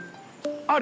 ある！